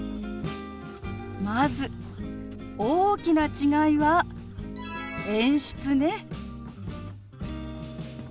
まず大きな違いは演出ね。